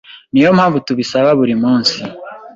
niyo mpamvu tubisaba buri munsi.